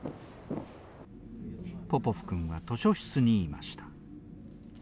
ポポフ君は図書室にいました。